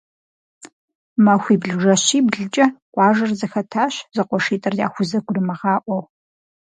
Махуибл-жэщиблкӏэ къуажэр зэхэтащ, зэкъуэшитӏыр яхузэгурымыгъаӏуэу.